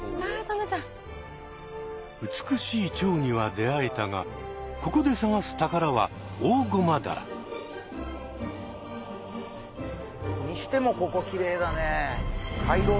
美しいチョウには出会えたがここで探す宝はオオゴマダラ。にしてもここきれいだね。